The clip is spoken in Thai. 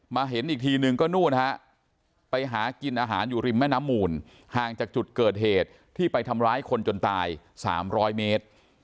เห็นอีกทีนึงก็นู่นฮะไปหากินอาหารอยู่ริมแม่น้ำมูลห่างจากจุดเกิดเหตุที่ไปทำร้ายคนจนตาย๓๐๐เมตร